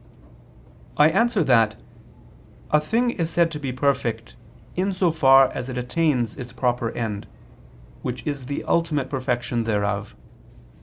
I answer that, A thing is said to be perfect in so far as it attains its proper end, which is the ultimate perfection thereof.